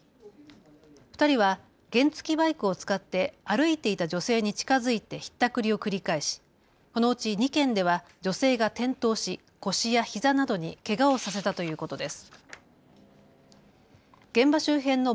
２人は原付きバイクを使って歩いていた女性に近づいてひったくりを繰り返しこのうち２件では女性が転倒し腰やひざなどにけがをさせたということです。